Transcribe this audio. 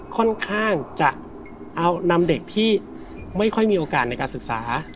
ค่อนข้างจะเอานำเด็กที่ไม่ค่อยมีโอกาสในการศึกษา